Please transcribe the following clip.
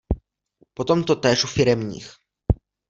Potom totéž u firemních.